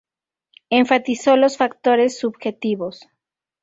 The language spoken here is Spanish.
Enfatizó los factores subjetivos.